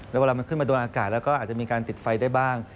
แล้วเวลามันขึ้นมาโดนอากาศแล้วก็อาจจะมีการติดไฟได้บ้าง